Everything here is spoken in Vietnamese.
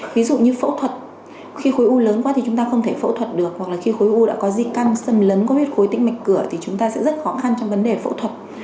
ví dụ như phẫu thuật khi khối u lớn quá thì chúng ta không thể phẫu thuật được hoặc là khi khối u đã có di căn xâm lấn có huyết khối tĩnh mạch cửa thì chúng ta sẽ rất khó khăn trong vấn đề phẫu thuật